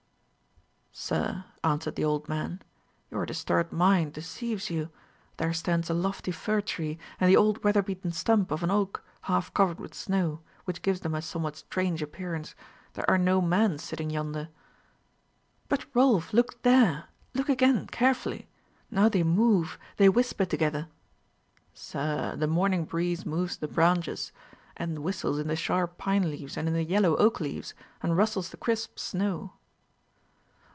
"Sir," answered the old man, "your disturbed mind deceives you. There stands a lofty fir tree, and the old weather beaten stump of an oak, half covered with snow, which gives them a somewhat strange appearance. There are no men sitting yonder." "But, Rolf, look there! look again carefully! Now they move, they whisper together." "Sir, the morning breeze moves the branches, and whistles in the sharp pine leaves and in the yellow oak leaves, and rustles the crisp snow."